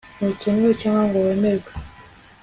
Ntukenewe cyangwa ngo wemerwe